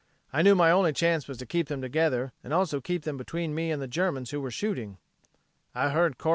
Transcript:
I knew my only chance was to keep them together and also keep them between me and the Germans who were shooting. I heard Corp.